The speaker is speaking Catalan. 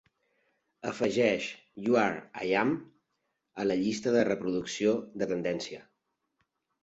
Afegeix "you are i am" a la llista de reproducció de tendència